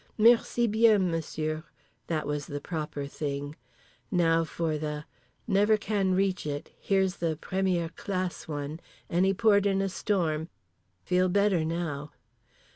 "Merci bien, Monsieur!" That was the proper thing. Now for the—never can reach it—here's the première classe one—any port in a storm…. Feel better now.